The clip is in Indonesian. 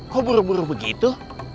kok buru buru begitu